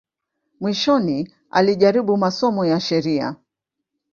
Mwishoni alijaribu masomo ya sheria.